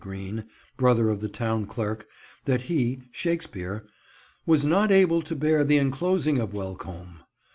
Greene (brother of the town clerk) that he—Shakespeare—"was not able to bear the enclosing of Welcombe."